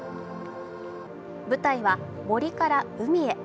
舞台は森から海へ。